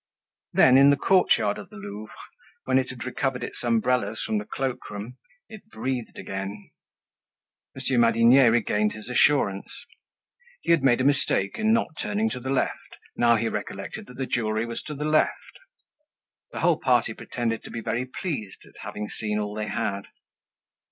Then in the courtyard of the Louvre, when it had recovered its umbrellas from the cloakroom, it breathed again. Monsieur Madinier regained his assurance. He had made a mistake in not turning to the left, now he recollected that the jewelry was to the left. The whole party pretended to be very pleased at having seen all they had.